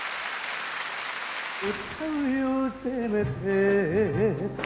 「歌うよせめて」